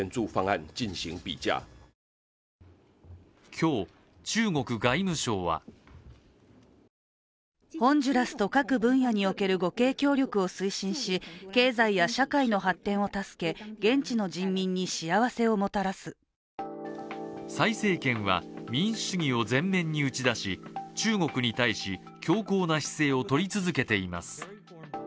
今日、中国外務省は蔡政権は民主主義を前面に打ち出し中国に対し、強硬な姿勢をとり続けています。